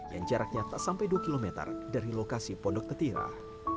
yang jaraknya tak sampai dua km dari lokasi pondok tetirah